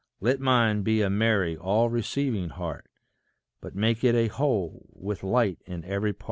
Let mine be a merry, all receiving heart, But make it a whole, with light in every part.